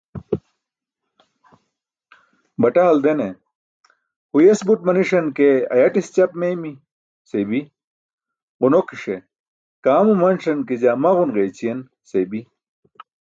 Baṭa haldene: "huyes buṭ maniṣan ke ayaṭis ćaap meeymi" seybi, ġunonikiṣe: "kaam umanṣan ke jaa maġun ġeeyćiyen" seybi.